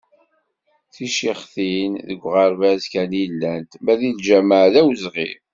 Ticixtin deg uɣerbaz kan i llant, ma deg lǧameɛ d awezɣi.